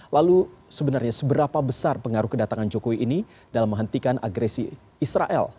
lalu sebenarnya seberapa besar pengaruh kedatangan jokowi ini dalam menghentikan agresi israel